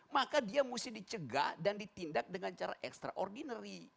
maka dia mesti dicegah dan ditindak dengan cara extraordinary